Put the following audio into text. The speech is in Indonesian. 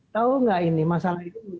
tahu nggak ini masalah itu